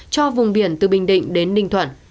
cho vùng biển từ bình định đến ninh thuận